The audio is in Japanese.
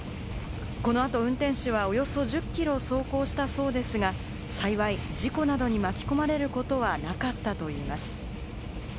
この後、運転手はおよそ１０キロ走行したそうですが、幸い事故などに巻き込まれることはなかったといいます。